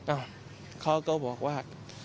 เขาก็บอกว่า